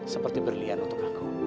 seperti berlian untuk aku